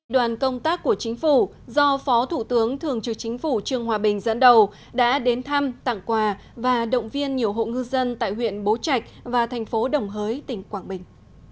đoàn công tác của chính phủ do phó thủ tướng thường trực chính phủ trương hòa bình dẫn đầu đã đến thăm tặng quà và động viên nhiều hộ ngư dân tại huyện bố trạch và thành phố đồng hới tỉnh quảng bình